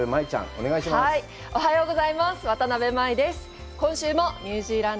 おはようございます。